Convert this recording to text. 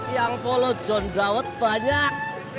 yang follo john dawet banyak